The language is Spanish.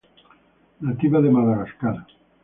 Nativa de Madagascar.